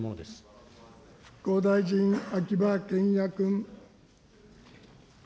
復興大臣、秋葉賢也君。